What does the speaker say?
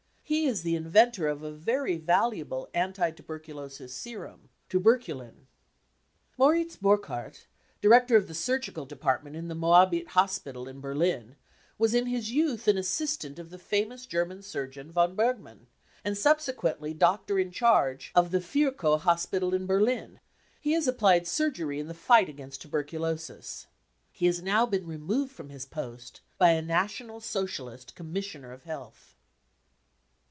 ! He is the inventor of*i very valuable anti tuberculosis | serum, tuberculin. j Moritz Borchardt, director of the surgical department in the Moabit Hospital in Berlin, was in his youth an assistant of the famous German surgeon von Bergmann, and subse quently doctor in charge of the Virchow Hospital in Berlin ; he has applied surgery in the fight against tuberculosis, j He has now been removed from his post by a National J Socialist " Commissioner of Health.